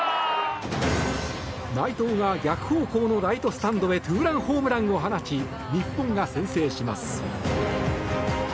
内藤が逆方向のライトスタンドへツーランホームランを放ち日本が先制します。